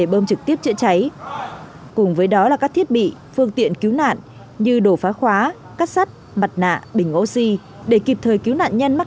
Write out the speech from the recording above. bởi vì cái này rất là nguy hiểm